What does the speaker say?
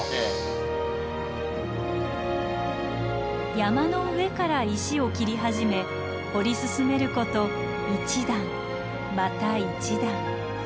山の上から石を切り始め掘り進めること一段また一段。